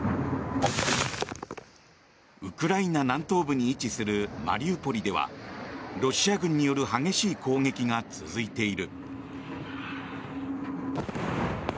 ウクライナ南東部に位置するマリウポリではロシア軍による激しい攻撃が続いている。